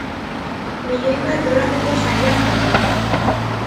Milioi bat dolarreko saria zegoen.